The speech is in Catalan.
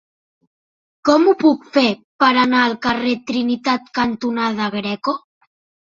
Com ho puc fer per anar al carrer Trinitat cantonada Greco?